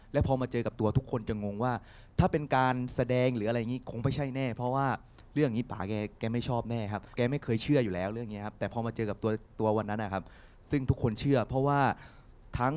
แล้วพอมาเจอกับตัวทุกคนจะงงว่า